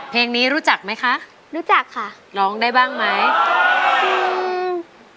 เพลงนี้รู้จักไหมคะรู้จักค่ะร้องได้บ้างไหมจริง